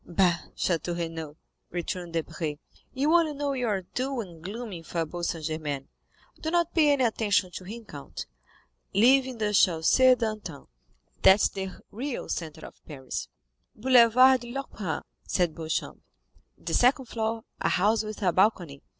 "Bah! Château Renaud," returned Debray, "you only know your dull and gloomy Faubourg Saint Germain; do not pay any attention to him, count—live in the Chaussée d'Antin, that's the real centre of Paris." "Boulevard de l'Opéra," said Beauchamp; "the second floor—a house with a balcony.